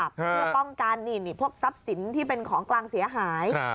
เพื่อป้องกันพวกทรัพย์สินที่เป็นของกลางเสียหาย